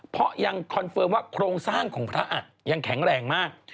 เพราะยังคอนเฟิร์มว่าโครงสร้างของพระอัดยังแข็งแรงมาก